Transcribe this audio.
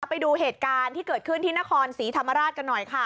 ไปดูเหตุการณ์ที่เกิดขึ้นที่นครศรีธรรมราชกันหน่อยค่ะ